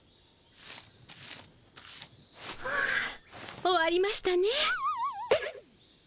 はあ終わりましたね。